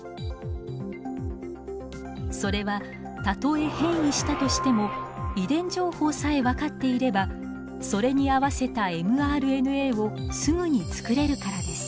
それはたとえ変異したとしても遺伝情報さえ分かっていればそれに合わせたｍＲＮＡをすぐに作れるからです。